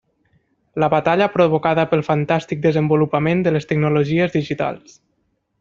La batalla provocada pel fantàstic desenvolupament de les tecnologies digitals.